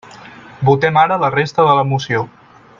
Votem ara la resta de la moció.